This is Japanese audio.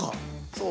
そう。